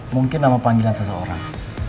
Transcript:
mungkin nama panggilan seseorang